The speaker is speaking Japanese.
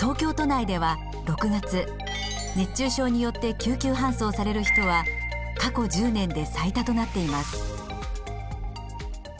東京都内では６月熱中症によって救急搬送される人は過去１０年で最多となっています。